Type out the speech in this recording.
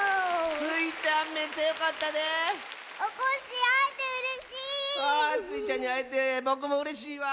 スイちゃんにあえてぼくもうれしいわ。